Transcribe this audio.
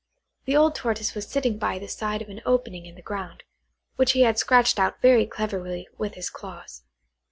The old Tortoise was sitting by the side of an opening in the ground, which he had scratched out very cleverly with his claws.